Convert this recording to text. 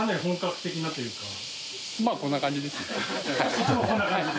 いつもこんな感じで？